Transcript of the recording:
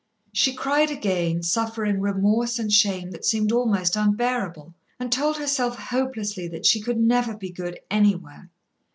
She cried again, suffering remorse and shame that seemed almost unbearable, and told herself hopelessly that she could never be good anywhere.